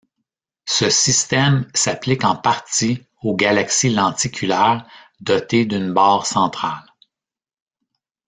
Ce système s'applique en partie aux galaxies lenticulaires dotées d'une barre centrale.